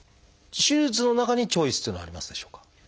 手術の中にチョイスっていうのはありますでしょうか？